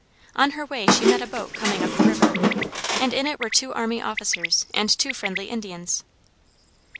On her way she met a boat coming up the river, and in it were two army officers and two friendly Indians.